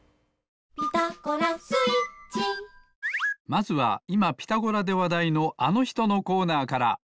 まずはいま「ピタゴラ」でわだいのあのひとのコーナーから。